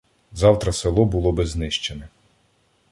Завтра село було би знищене.